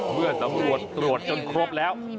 เมื่อสำรวจตรวจจนครบแล้ว